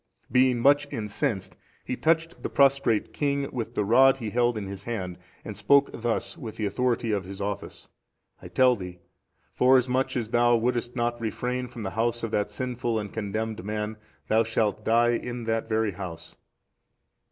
Being much incensed, he touched the prostrate king with the rod he held in his hand, and spoke thus with the authority of his office: "I tell thee, forasmuch as thou wouldest not refrain from the house of that sinful and condemned man, thou shalt die in that very house."